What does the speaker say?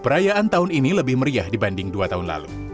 perayaan tahun ini lebih meriah dibanding dua tahun lalu